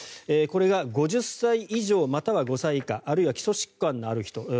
これが５０歳以上または５歳以下あるいは基礎疾患のある人